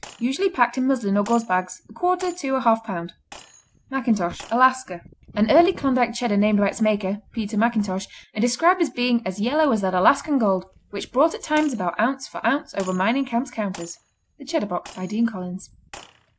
Usually packed in muslin or gauze bags, a quarter to a half pound. McIntosh Alaska An early Klondike Cheddar named by its maker, Peter McIntosh, and described as being as yellow as that "Alaskan gold, which brought at times about ounce for ounce over mining camp counters." The Cheddar Box by Dean Collins.